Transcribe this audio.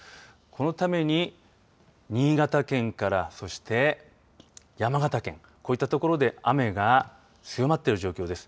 このために、新潟県からそして、山形県こういった所で雨が強まっている状況です。